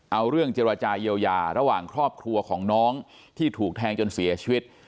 เอาเรื่องเจรจาเยียวยาระหว่างครอบครัวของน้องที่ถูกแทงจนเสียชีวิต